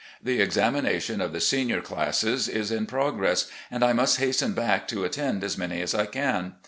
The examination of the senior classes is in progress, and I must hasten back to attend as many as I can.